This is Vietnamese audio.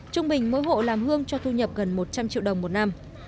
trung bình mỗi hộ làm hương cho thu nhập gần một trăm linh triệu đồng một năm